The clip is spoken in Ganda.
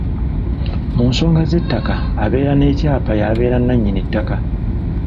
Mu nsonga z'ettaka abeera n’ekyapa y’abeera nnannyini ttaka.